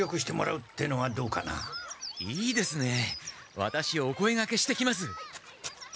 ワタシお声がけしてきます。